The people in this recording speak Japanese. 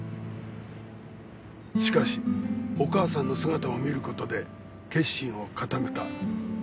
しかしお母さんの姿を見る事で決心を固めた。